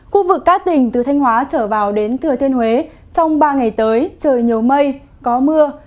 khu vực các tỉnh từ thanh hóa trở vào đến thừa thiên huế trong ba ngày tới trời nhiều mây có mưa